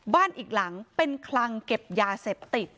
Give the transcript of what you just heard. บ้านอีกหลังเป็นคลังเก็บยาเสพติด